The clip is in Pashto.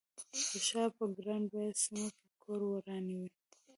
په ښار په ګران بیه سیمه کې کور رانیوه.